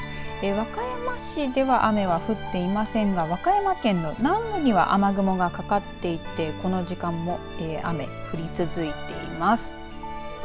和歌山市では雨が降っていませんが和歌山県の南部には雨雲がかかっていてこの時間も雨降り続いています。